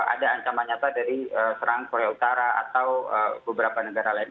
ada ancaman nyata dari serangan korea utara atau beberapa negara lain